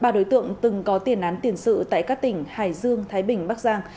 ba đối tượng từng có tiền án tiền sự tại các tỉnh hải dương thái bình bắc giang